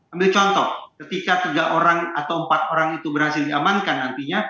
ambil contoh ketika tiga orang atau empat orang itu berhasil diamankan nantinya